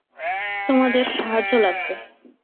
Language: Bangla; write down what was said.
তোমাদের সাহায্য লাগবে।